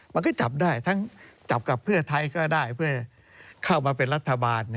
มันก็จับได้ทั้งจับกับเพื่อไทยก็ได้เพื่อเข้ามาเป็นรัฐบาล